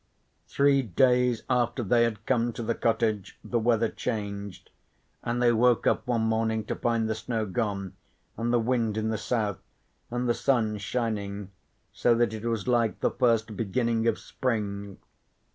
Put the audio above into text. Three days after they had come to the cottage the weather changed, and they woke up one morning to find the snow gone, and the wind in the south, and the sun shining, so that it was like the first beginning of spring.